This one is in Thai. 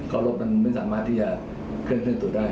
กรมมันไม่สามารถที่จะเคลื่อนขึ้นตัวได้